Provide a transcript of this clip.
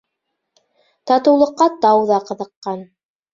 Татыулыҡҡа тау ҙа ҡыҙыҡҡан.